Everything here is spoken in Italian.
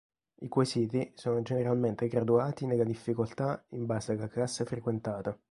I quesiti sono generalmente graduati nella difficoltà in base alla classe frequentata.